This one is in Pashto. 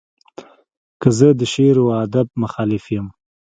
که زه د شعر و ادب مخالف یم.